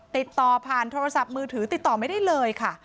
ติดต่อผ่านโทรศัพท์มือถือติดต่อไม่ได้เลยค่ะ